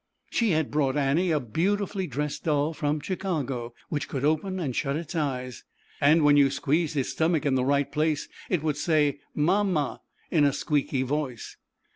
She had brought Annie a beautifully dressed doll from Chicago, which could open and shut its eyes, and when you squeezed its stomach in the right place it would say u Ma Ma" in a squeaky voice.